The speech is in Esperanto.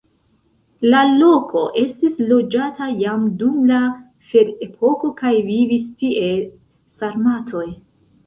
La loko estis loĝata jam dum la ferepoko kaj vivis tie sarmatoj.